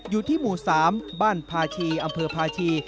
อยู่ที่หมู่๓บ้านพาชีอำเภอพาชี